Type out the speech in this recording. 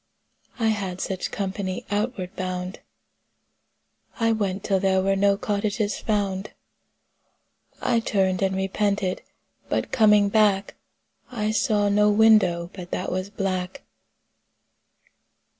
I had such company outward bound. I went till there were no cottages found. I turned and repented, but coming back I saw no window but that was black.